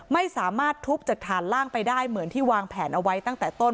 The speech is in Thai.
ไม่สามารถทุบจากฐานล่างไปได้เหมือนที่วางแผนเอาไว้ตั้งแต่ต้น